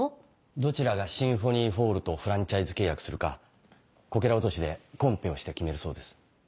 どちらがシンフォニーホールとフランチャイズ契約するかこけら落としでコンペをして決めるそうです。